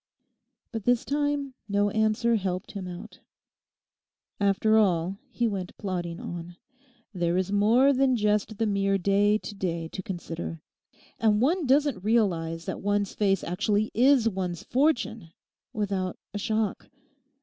But this time no answer helped him out. 'After all,' he went plodding on, 'there is more than just the mere day to day to consider. And one doesn't realise that one's face actually is one's fortune without a shock.